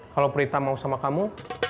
kalau prita mau sama kamu